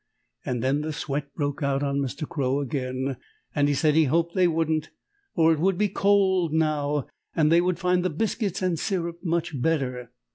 Then the sweat broke out on Mr. Crow again, and he said he hoped they wouldn't, for it would be cold now and they would find the biscuits and syrup much better.